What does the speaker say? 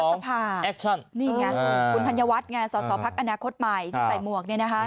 นี่ไงคุณธัญวัตรไงสอสอพักอนาคตใหม่ในสายหมวกเนี่ยนะคะ